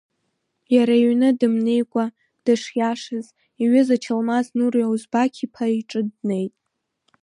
Иара иҩны дымнеикәа, дышиашаз, иҩыза Чалмаз Нури Озбақь-иԥа иҿы днеит.